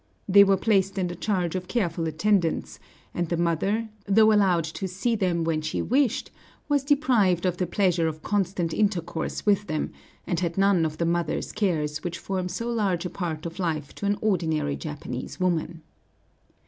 They were placed in the charge of careful attendants, and the mother, though allowed to see them when she wished, was deprived of the pleasure of constant intercourse with them, and had none of the mother's cares which form so large a part of life to an ordinary Japanese woman.